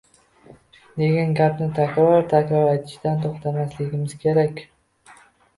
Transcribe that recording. degan gapni takror-takror aytishdan to‘xtamasligimiz kerak.